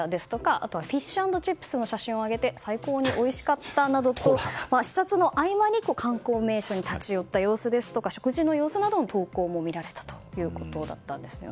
あとはフィッシュ＆チップスの写真を上げて最高においしかったなどと視察の合間に観光名所に立ち寄った様子ですとか食事の様子などの投稿も見られたということでした。